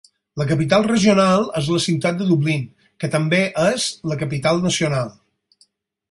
La capital regional és la ciutat de Dublín, que també és la capital nacional.